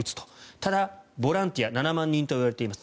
ただ、ボランティア７万人といわれています